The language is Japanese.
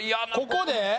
ここで？